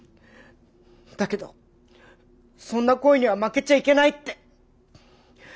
だけどそんな声には負けちゃいけないって。